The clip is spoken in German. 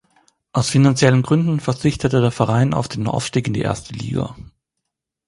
Aus finanziellen Gründen verzichtete der Verein auf den Aufstieg in die erste Liga.